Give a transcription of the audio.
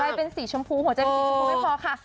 ใช่เป็นสีชมพูหัวใจเป็นสีชมพูไม่พอค่ะ